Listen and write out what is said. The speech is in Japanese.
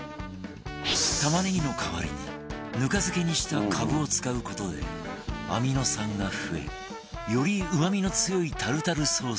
玉ねぎの代わりにぬか漬けにしたカブを使う事でアミノ酸が増えよりうまみの強いタルタルソースに